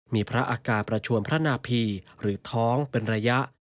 มีพระอาการประชวนพระนาพีหรือท้องเป็นระยะ